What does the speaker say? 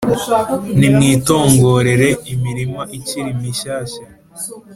Nimwitongorere imirima ikiri mishyashya;